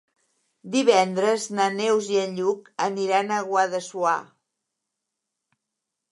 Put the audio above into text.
Divendres na Neus i en Lluc aniran a Guadassuar.